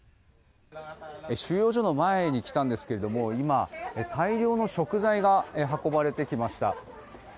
収容所の前に来たんですけれども今、大量の食材が運ばれてきました。